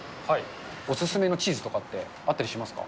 お勧めのチーズとかってあったりしますか？